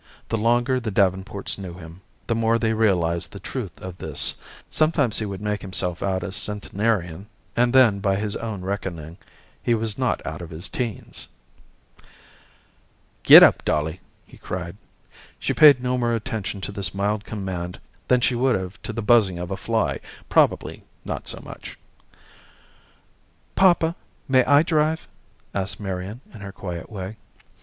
The longer the Davenports knew him, the more they realized the truth of this. Sometimes he would make himself out a centenarian, and then, by his own reckoning, he was not out of his teens. "Get up, Dolly," he cried. She paid no more attention to this mild command than she would have to the buzzing of a fly probably not so much. "Papa, may I drive?" asked Marian in her quiet way.